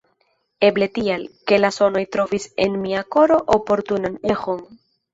Eble tial, ke la sonoj trovis en mia koro oportunan eĥon.